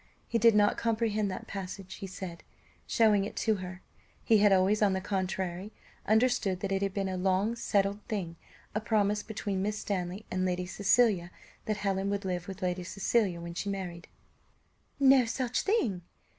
He did not comprehend that passage, he said, showing it to her. He had always, on the contrary, understood that it had been a long settled thing, a promise between Miss Stanley and Lady Cecilia, that Helen should live with Lady Cecilia when she married. "No such thing!"